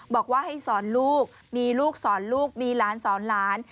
บอกว่าให้สอนลูกมีลูกสอนลูกมีหลานสอนหลาน